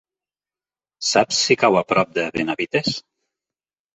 Saps si cau a prop de Benavites?